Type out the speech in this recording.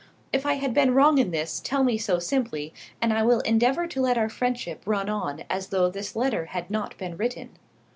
If I have been wrong in this, tell me so simply, and I will endeavour to let our friendship run on as though this letter had not been written.